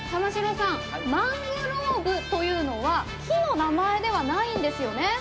マングローブというのは木の名前ではないんですよね？